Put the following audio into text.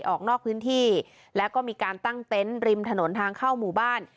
ออกนอกพื้นที่แล้วก็มีการตั้งเต็นต์ริมถนนทางเข้าหมู่บ้าน